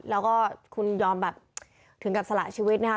แล้วก็คุณยอมแบบถึงกับสละชีวิตนะคะ